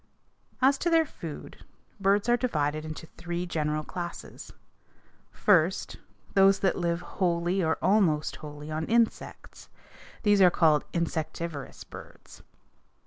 As to their food, birds are divided into three general classes. First, those that live wholly or almost wholly on insects. These are called insectivorous birds.